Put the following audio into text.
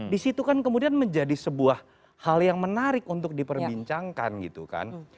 di situ kan kemudian menjadi sebuah hal yang menarik untuk diperbincangkan gitu kan